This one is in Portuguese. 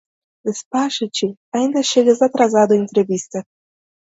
Despacha-te, ainda chegas atrasado à entrevista!